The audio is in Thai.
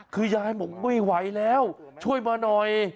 คือยายบอกไม่ไหวแล้วช่วยมาหน่อย